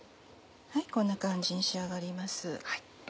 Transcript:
こんな感じに仕上がります。